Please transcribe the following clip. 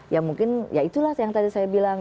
ya mungkin ya itulah yang tadi saya bilang